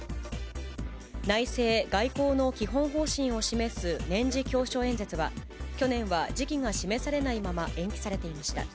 内政・外交の基本方針を示す年次教書演説は、去年は時期が示されないまま延期されていました。